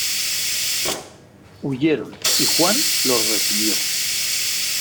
Huyeron y Juan los recibió.